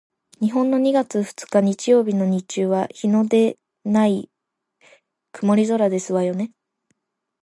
日本の二月二日日曜日の日中は日のでない曇り空ですわよね？